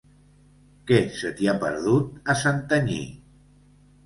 Què se t'hi ha perdut, a Santanyí?